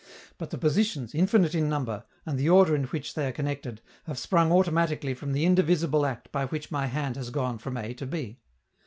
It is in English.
But the positions, infinite in number, and the order in which they are connected, have sprung automatically from the indivisible act by which my hand has gone from A to B.